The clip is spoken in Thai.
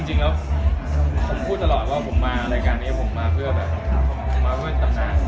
จริงแล้วผมพูดตลอดว่าผมมารายการนี้ผมมาเพื่อแบบมาเพื่อตำนาน